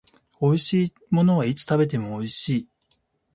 美味しいものはいつ食べても美味しい